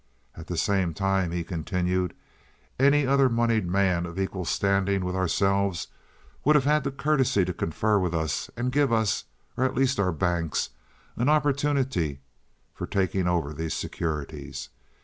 "At the same time," he continued, "any other moneyed man of equal standing with ourselves would have had the courtesy to confer with us and give us, or at least our banks, an opportunity for taking over these securities.